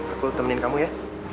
aku temenin kamu ya